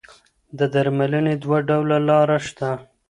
د درملنې دوه ډوله لاره شته.